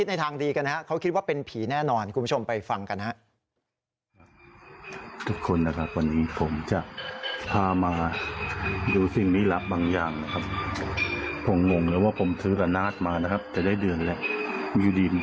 ฝนลุกเลยผมนี้เตรียมพระมาเต็มคอดังมาสองคืนเลยเนี่ย